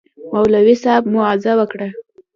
مولوي صاحب موعظه وکړه.